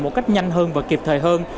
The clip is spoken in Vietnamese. một cách nhanh hơn và kịp thời hơn